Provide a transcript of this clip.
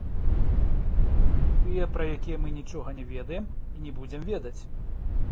Тыя, пра якія мы нічога не ведаем і не будзем ведаць.